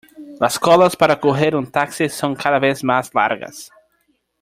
Las colas para coger un taxi son cada vez más largas.